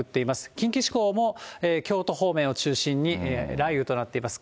近畿地方も京都方面を中心に雷雨となっています。